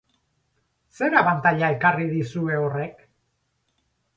Zer abantaila ekarri dizue horrek?